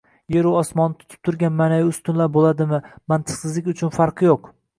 yeru osmonni tutib turgan ma’naviy ustunlar bo‘ladimi – mantiqsizlik uchun farqi yo‘q